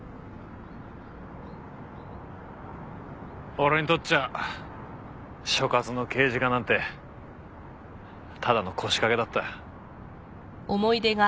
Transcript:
俺にとっちゃ所轄の刑事課なんてただの腰掛けだった。